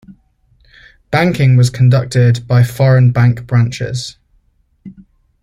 Banking was conducted by foreign bank branches.